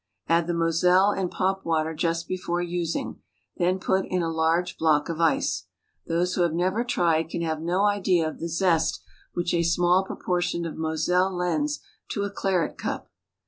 Add the moselle and popwater just before using; then put in a large block of ice. Those who have never tried can have no idea of the zest which a small proportion of moselle lends to a claret cup.